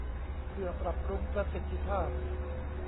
เพื่อปรับปรุงประสิทธิภาพ